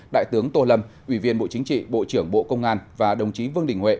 đại tướng tô lâm ủy viên bộ chính trị bộ trưởng bộ công an và đồng chí vương đình huệ